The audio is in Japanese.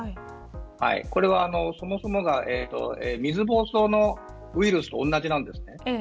これは、そもそもが水疱瘡のウイルスと同じなんですね。